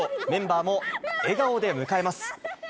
メンバーも笑顔で迎えます。